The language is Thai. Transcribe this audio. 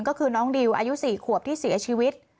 ก็คือน้องดิวอายุ๔ขวบที่เสียชีวิต